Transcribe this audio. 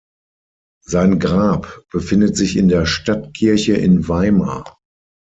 Sein Grab befindet sich in der Stadtkirche in Weimar.